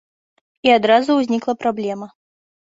І адразу ўзнікла праблема.